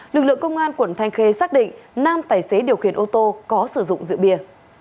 lực lượng công an quận thanh khê xác định năm tài xế điều khiển ô tô có sử dụng dự bìa